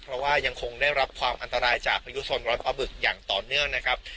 เพราะว่ายังคงได้รับความอันตรายจากพายุโซนร้อนปลาบึกอย่างต่อเนื่องนะครับ